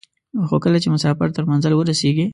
خو کله چې مسافر تر منزل ورسېږي.